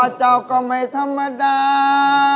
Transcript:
เจ้าก็ไม่ธรรมดา